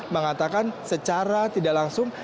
mengatakan secara tidak langsung